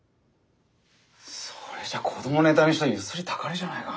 それじゃ子どもネタにしたゆすりたかりじゃないか。